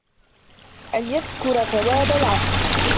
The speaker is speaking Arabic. أَنْ يَذْكُرَ ثَوَابَ الْعَفْوِ